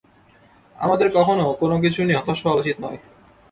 আমাদের কখনো কোনো কিছু নিয়ে হতাশ হওয়া উচিত নয়!